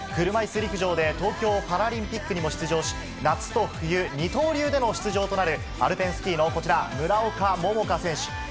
車いす陸上で東京パラリンピックに出場し夏と冬二刀流での出場となるアルペンスキーの村岡桃佳選手。